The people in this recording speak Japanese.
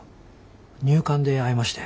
入管で会いまして。